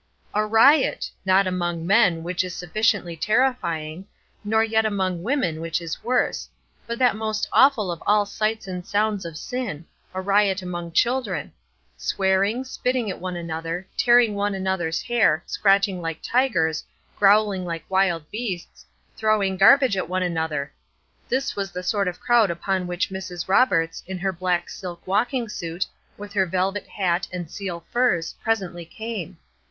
A riot! Not among men, which is sufficiently terrifying; nor yet among women, which is worse; but that most awful of all sights and sounds of sin, a riot among the children. Swearing, spitting at one another, tearing one another's hair, scratching like tigers, growling like wild beasts, throwing garbage at one another! This was the sort of crowd upon which Mrs. Roberts, in her black silk walking suit, with her velvet hat and seal furs, presently came.